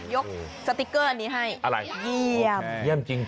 ยกสติ๊กเกอร์นี้ให้เยี่ยมโอเคเยี่ยมจริง